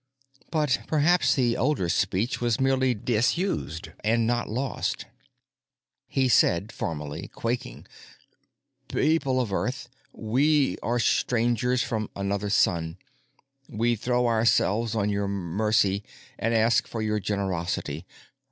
But perhaps the older speech was merely disused and not lost. He said formally, quaking: "People of Earth, we are strangers from another star. We throw ourselves on your mercy and ask for your generosity.